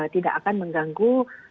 tidak akan mengganggu